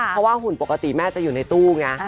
เพราะว่าหุ่นปกติแม่จะอยู่ในตู้ไง